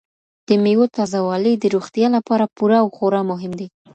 د مېوو تازه والی د روغتیا لپاره پوره او خورا مهم دی.